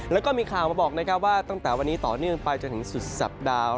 และมีข่าวนะคะว่าวันนี้ต่อเนื่องต่อสุดสัปดาห์